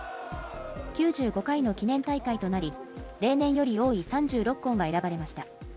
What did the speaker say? ９５回の記念大会となり、例年より多い３６校が選ばれました。